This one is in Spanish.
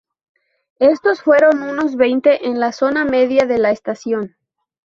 Estos fueron unos veinte en la zona media de la estación.